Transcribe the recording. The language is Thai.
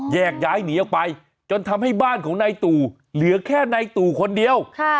แยกย้ายหนีออกไปจนทำให้บ้านของนายตู่เหลือแค่ในตู่คนเดียว